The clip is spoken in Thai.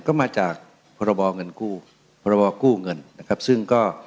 ก็มาจากพรบเงินกู้พรบกู้เงินนะครับซึ่งก็